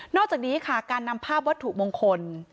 อกจากนี้ค่ะการนำภาพวัตถุมงคล